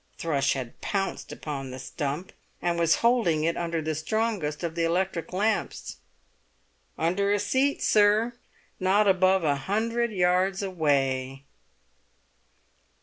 Thrush had pounced upon the stump, and was holding it under the strongest of the electric lamps. "Under a seat, sir, not above a hundred yards away!"